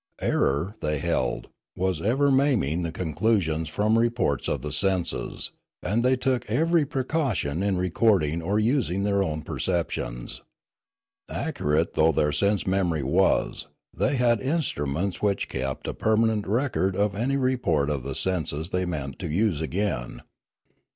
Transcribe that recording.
Error, they held, was ever maiming the conclusions from reports of the senses, and they took every precaution in recording or using their own perceptions. Accurate though their sense memory was, they had instruments which kept a per manent record of any report of the senses they meant to use again.